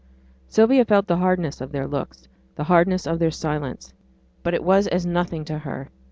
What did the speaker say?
Sylvia felt the hardness of their looks, the hardness of their silence; but it was as nothing to her.